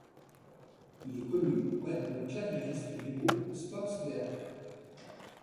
Il est connu pour être le claviériste du groupe Spock's Beard.